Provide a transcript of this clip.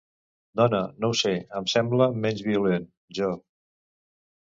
Dona, no ho sé, em sembla menys violent, jo...